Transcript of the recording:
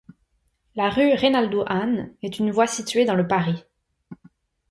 La rue Reynaldo-Hahn est une voie située dans le de Paris.